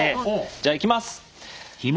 じゃいきます！